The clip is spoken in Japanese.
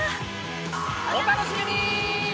お楽しみに！